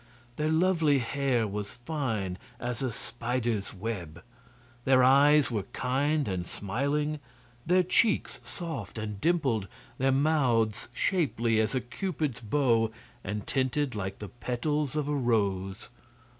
Their lovely hair was fine as a spider's web; their eyes were kind and smiling, their cheeks soft and dimpled, their mouths shapely as a cupid's bow and tinted like the petals of a rose.